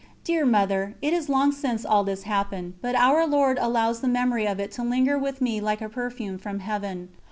Dear Mother, it is long since all this happened, but Our Lord allows the memory of it to linger with me like a perfume from Heaven.